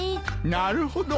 なるほど。